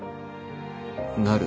なる。